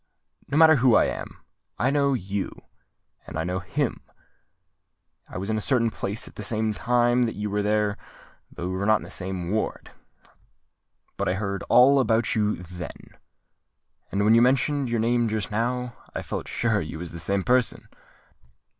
"No matter who I am: I know you—and I know him. I was in a certain place at the same time that you were there; though we were not in the same ward. But I heard all about you then; and when you mentioned your name just now, I felt sure you was the same person.